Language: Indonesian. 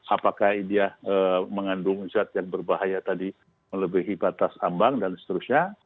apakah dia mengandung zat yang berbahaya tadi melebihi batas ambang dan seterusnya